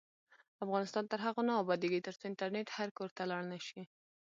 افغانستان تر هغو نه ابادیږي، ترڅو انټرنیټ هر کور ته لاړ نشي.